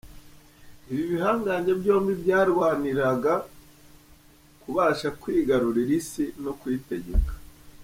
Ibi bihangange byombi byarwaniraga kubasha kwigarurira isi no kuyitegeka .